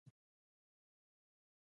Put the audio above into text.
زه به ګهيځ پېښور ته ځم